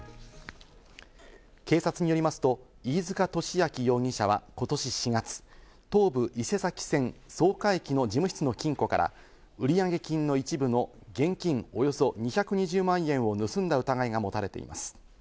警察によりますと、飯塚敏明容疑者はことし４月、東武伊勢崎線・草加駅の事務室の金庫から売上金の一部の現金およそ２２０万円を盗んだ疑いが持たれています。